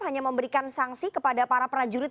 hanya memberikan sanksi kepada para prajurit